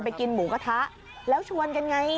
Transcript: กินหมูกระทะแล้วชวนกันไง